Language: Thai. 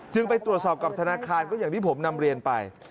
ไปตรวจสอบกับธนาคารก็อย่างที่ผมนำเรียนไป